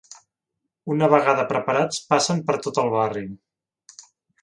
Una vegada preparats passen per tot el barri.